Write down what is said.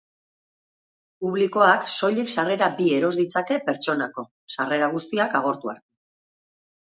Publikoak soilik sarrera bi eros ditzake pertsonako sarrera guztiak agortu arte.